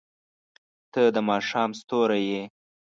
• ته د ماښام ستوری یې.